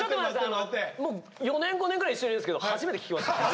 もう４年５年ぐらい一緒にいるんすけど初めて聞きました。